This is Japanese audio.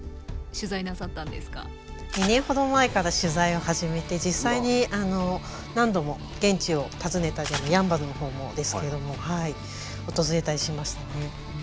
２年ほど前から取材を始めて実際に何度も現地を訪ねたりやんばるの方もですけども訪れたりしましたね。